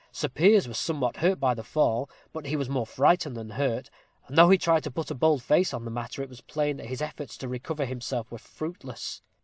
Sir Piers was somewhat hurt by the fall, but he was more frightened than hurt; and though he tried to put a bold face on the matter, it was plain that his efforts to recover himself were fruitless.